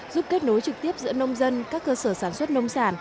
giúp kết nối trực tiếp giữa nông dân các cơ sở sản xuất nông sản